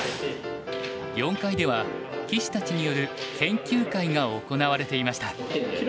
４階では棋士たちによる研究会が行われていました。